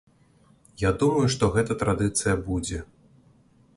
Я думаю, што гэта традыцыя будзе.